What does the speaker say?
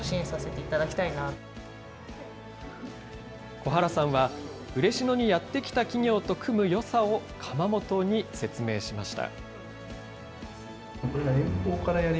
小原さんは、嬉野にやって来た企業と組むよさを窯元に説明しました。